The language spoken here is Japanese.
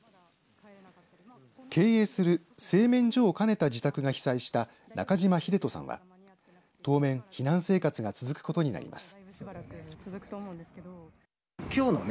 経営する製麺所を兼ねた自宅が被災した中島秀人さんは当面、避難生活が続くことになります。